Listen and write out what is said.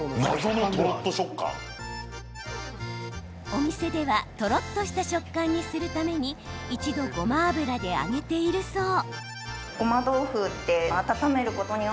お店ではとろっとした食感にするために一度ごま油で揚げているそう。